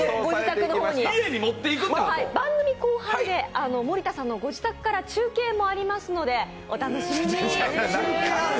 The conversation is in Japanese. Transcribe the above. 番組後半で森田さんのご自宅から中継もありますので、お楽しみに。